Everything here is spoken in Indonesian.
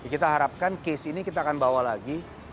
kita harapkan case ini kita akan bawa lagi